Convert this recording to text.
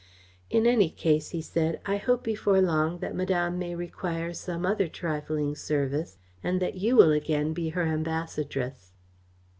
"In any case," he said, "I hope before long that Madame may require some other trifling service and that you will again be her ambassadress."